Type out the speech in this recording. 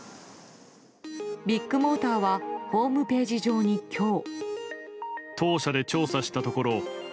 ビッグモーターはホームページ上に今日。